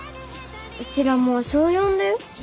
ウチらもう小４だよ。